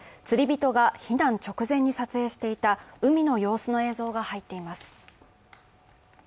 釣り人が避難直前に撮影していた海の様子の映像が入っています。